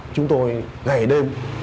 chúng tôi ngày đêm